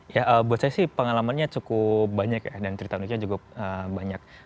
ya buat saya sih pengalamannya cukup banyak ya dan cerita nusa cukup banyak